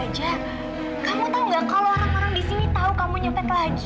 kamu tahu gak kalau orang orang disini tahu kamu nyepet lagi